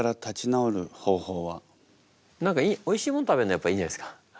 何かおいしいもん食べるのやっぱいいんじゃないですか？